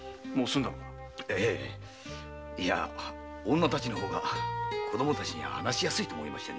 女たちの方が子供には話しやすいと思いましてね。